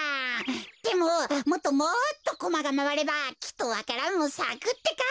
でももっともっとコマがまわればきっとわか蘭もさくってか！